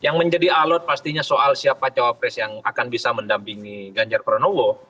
yang menjadi alat pastinya soal siapa cawapres yang akan bisa mendampingi ganjar pranowo